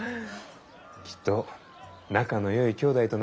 きっと仲のよい兄弟となろうの。